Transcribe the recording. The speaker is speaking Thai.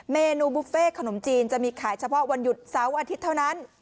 เมนูบุฟเฟ่ขนมจีนจะมีขายเฉพาะวันหยุดเสาร์อาทิตย์เท่านั้น